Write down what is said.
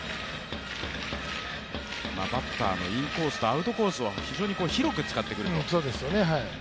バッターのインコースとアウトコースを非常に広く使ってくると。